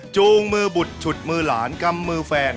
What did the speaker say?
จูงมือบุดฉุดมือหลานกำมือแฟน